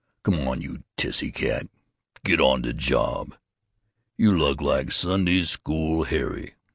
Come on, you tissy cat. Get on de job.... You look like Sunday school Harry.